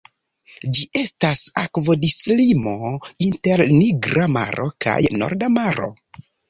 Ĝi estas akvodislimo inter Nigra Maro kaj Norda Maro.